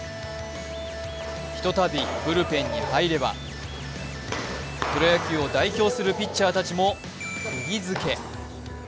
ひとたびブルペンに入ればプロ野球を代表するピッチャーたちもくぎづけ。